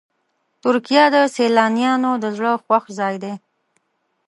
ترکیه د سیلانیانو د زړه خوښ ځای دی.